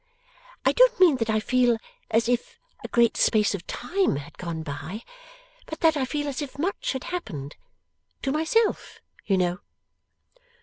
I don't mean that I feel as if a great space of time had gone by, but that I feel as if much had happened to myself, you know.